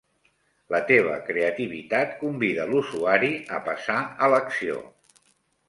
La teva creativitat convida l'usuari a passar a l'acció.